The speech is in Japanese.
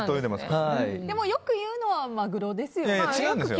よく言うのはマグロですよね。